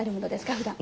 ふだん。